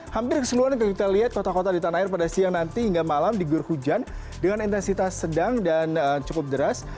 hampir keseluruhan kalau kita lihat kota kota di tanah air pada siang nanti hingga malam diguyur hujan dengan intensitas sedang dan cukup deras